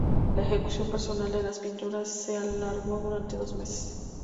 La ejecución personal de las pinturas se alargó durante dos meses.